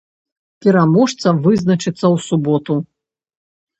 Пераможца вызначыцца ў суботу.